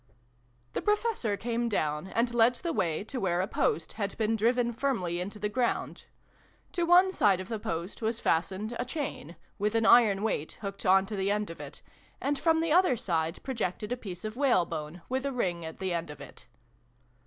The Professor came down, and led the way to where a post had been driven firmly into the ground. To one side of the post was fastened a chain, with an iron weight hooked on to the end of it, and from the other side projected a piece of whalebone, with a ring at the end of it.